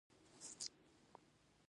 هغه باید دا د ځان لپاره محقق کړي.